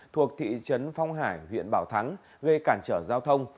thuộc thị trấn phong hải huyện bảo thắng gây cản trở giao thông